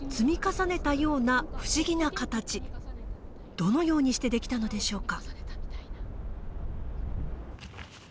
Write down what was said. どのようにしてできたのでしょうか。